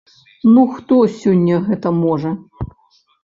Ну хто сёння гэта можа?